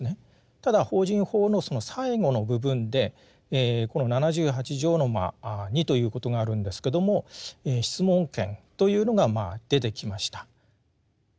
ただ法人法のその最後の部分でこの七十八条の二ということがあるんですけども質問権というのがまあ出てきました。